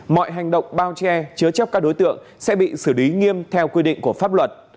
mọi hành động bao che chứa chấp các đối tượng sẽ bị xử lý nghiêm theo quy định của pháp luật